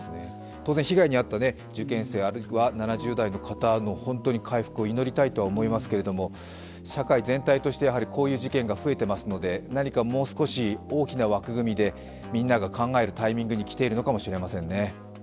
当然、被害に遭った受験生あるいは７０代の方の回復を祈りたいと思いますけれども、社会全体としてこういう事件が増えていますので何かもう少し大きな枠組みでみんなが考えるタイミングに来ているのかもしれませんね。